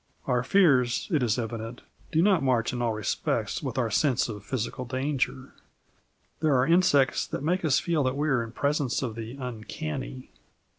Our fears, it is evident, do not march in all respects with our sense of physical danger. There are insects that make us feel that we are in presence of the uncanny.